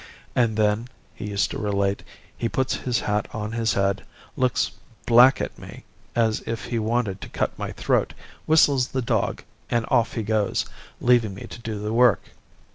'And then,' he used to relate, 'he puts his hat on his head, looks black at me as if he wanted to cut my throat, whistles the dog, and off he goes, leaving me to do the work.